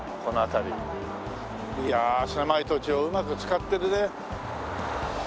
いや狭い土地をうまく使ってるね。